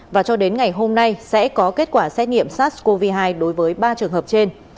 và cho đến ngày hôm nay sẽ có kết quả xét nghiệm sars cov hai đối với ba trường hợp trên